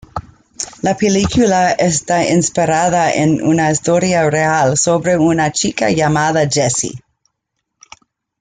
La película está inspirada en una historia real, sobre una chica llamada Jessie.